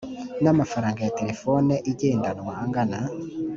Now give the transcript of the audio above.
n amafaranga ya telefone igendanwa angana